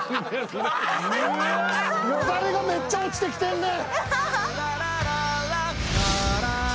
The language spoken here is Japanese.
よだれがめっちゃ落ちてきてんねん。